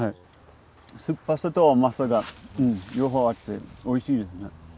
酸っぱさと甘さが両方あっておいしいですね。